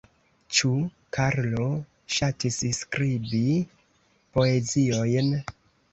Ĉu Karlo ŝatis skribi poeziojn?